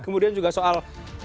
kemudian juga soal